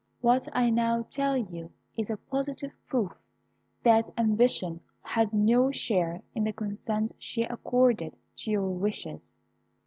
"What I now tell you is a positive proof that ambition had no share in the consent she accorded to your wishes.